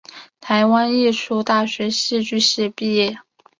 台湾艺术大学戏剧系毕业。